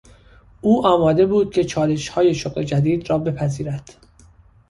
او آماده بود که چالشهای شغل جدید را بپذیرد.